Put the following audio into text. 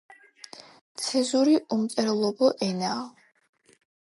ცეზური უმწერლობო ენაა.